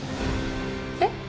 えっ？